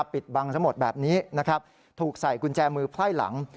ปิดบังทั้งหมดแบบนี้นะครับถูกใส่กุญแจมือไพ่หลัง